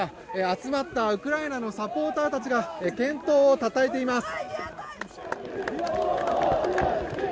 集まったウクライナのサポーターたちが健闘をたたえています。